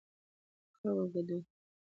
د خلکو ګډون بدلون ته ځواک ورکوي